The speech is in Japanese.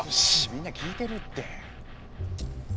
みんな聞いてるって。